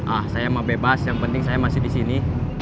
ah saya mah bebas yang penting saya masih disini